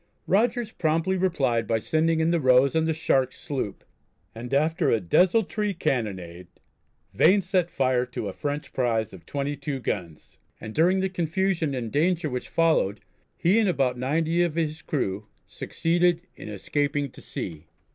Rogers promptly replied by sending in the Rose and the Shark sloop, and after a desultory cannonade Vane set fire to a French prize of 22 guns and during the confusion and danger which followed he and about 90 of his crew succeeded in escaping to sea.